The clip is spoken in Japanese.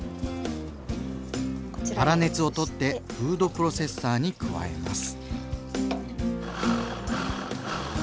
粗熱を取ってフードプロセッサーに加えます。